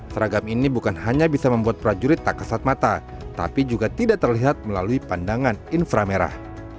seragam ini bukan hanya bisa membuat prajurit tak kesat mata tapi juga tidak terlihat melalui pandangan infra merah